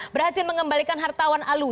berhasil mengembalikan hartawan alu